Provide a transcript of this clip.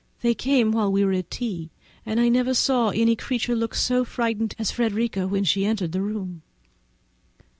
They came while we were at tea, and I never saw any creature look so frightened as Frederica when she entered the room.